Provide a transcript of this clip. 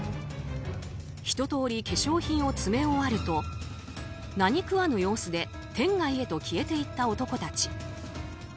ひと通り化粧品を詰め終わると何食わぬ様子で店外へと消えていった男たち。